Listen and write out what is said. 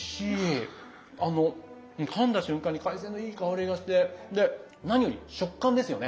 あのかんだ瞬間に海鮮のいい香りがしてで何より食感ですよね。